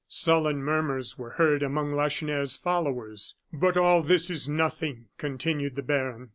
Sullen murmurs were heard among Lacheneur's followers. "But all this is nothing," continued the baron.